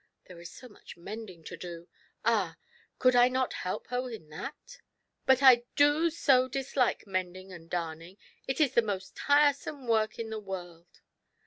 There is so much mending to do — ah, could I not help her in that ? But I do so dislike mending and darning; it is the most tiresome work in the world!"